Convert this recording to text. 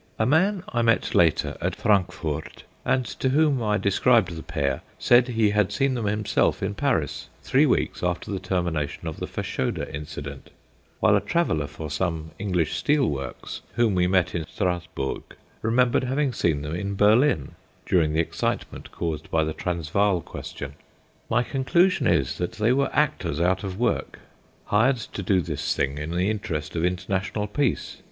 A man I met later at Frankfort, and to whom I described the pair, said he had seen them himself in Paris, three weeks after the termination of the Fashoda incident; while a traveller for some English steel works whom we met in Strassburg remembered having seen them in Berlin during the excitement caused by the Transvaal question. My conclusion is that they were actors out of work, hired to do this thing in the interest of international peace.